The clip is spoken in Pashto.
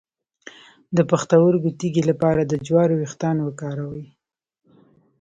د پښتورګو تیږې لپاره د جوارو ویښتان وکاروئ